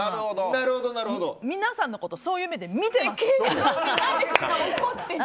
皆さんのことそういう目で見てます。